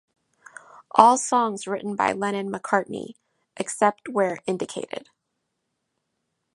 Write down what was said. All songs written by Lennon-McCartney, except where indicated.